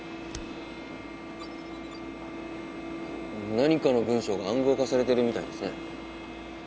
何かの文章が暗号化されてるみたいですね。